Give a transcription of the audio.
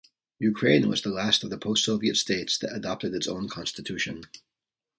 Ukraine was the last of the post-Soviet states that adopted its own constitution.